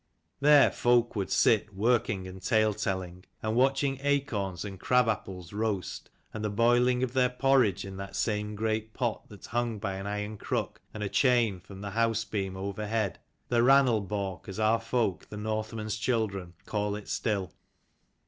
There folk would sit working and tale telling, and watching acorns and crab apples roast, and the boiling of their porridge in that same great pot that hung by an iron crook and a chain from the house beam over head, the " rannal balk " as our folk, "the Northmen's children, call it still.